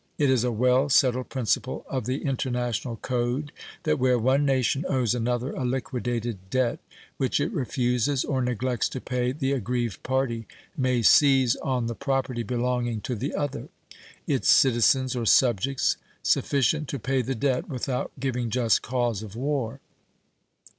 It is a well settled principle of the international code that where one nation owes another a liquidated debt which it refuses or neglects to pay the aggrieved party may seize on the property belonging to the other, its citizens or subjects, sufficient to pay the debt without giving just cause of war.